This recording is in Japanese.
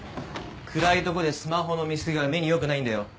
暗いとこでスマホの見過ぎは目に良くないんだよ。